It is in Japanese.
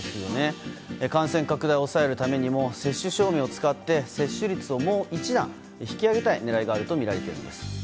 感染拡大を抑えるためにも接種証明を使って接種率をもう一段引き上げたい狙いがあるとみられています。